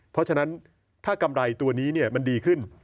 เพราะฉะนั้นถ้ากำไรตัวนี้มันดีขึ้น